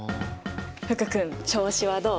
福君調子はどう？